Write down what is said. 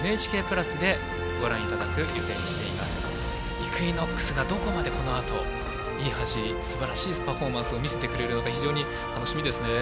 イクイノックスがどこまでこのあと、いい走りすばらしいパフォーマンスを見せてくれるのか非常に楽しみですね。